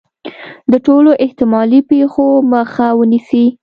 د ټولو احتمالي پېښو مخه ونیسي.